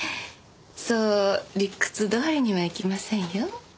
そう理屈どおりにはいきませんよ。